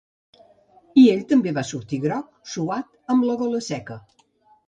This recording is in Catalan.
I ell també va sortir groc, suat, amb la gola seca.